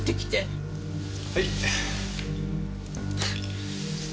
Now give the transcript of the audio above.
はい。